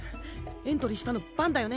エントリーしたのバンだよね？